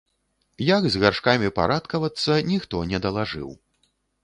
Як з гаршкамі парадкавацца, ніхто не далажыў.